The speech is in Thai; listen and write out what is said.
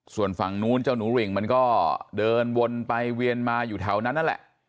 ส่วนฝั่งนู้นเจ้าหนูริ่งมันก็เดินวนไปเวียนมาอยู่แถวนั้นนั่นแหละ